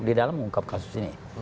di dalam mengungkap kasus ini